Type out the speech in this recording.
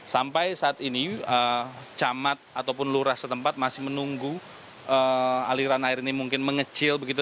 sampai saat ini camat ataupun lurah setempat masih menunggu aliran air ini mungkin mengecil begitu